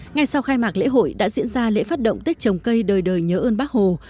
ngay sau khai mạc lễ hội đã diễn ra lễ phát động tết trồng cây đời đời nhớ ơn bác hồ